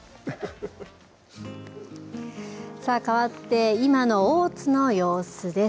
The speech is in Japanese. さあかわって今の大津の様子です。